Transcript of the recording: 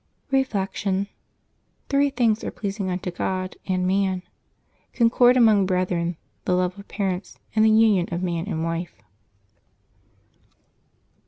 Reflection. — Three things are pleasing unto God and man : concord among brethren, the love of parents, and the union of man and wife.